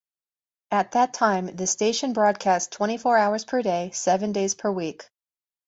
At that time, the station broadcast twenty-four hours per day, seven days per week.